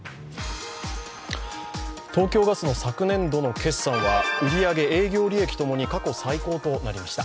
東京ガスの昨年度の決算は売り上げ、営業利益ともに過去最高となりました。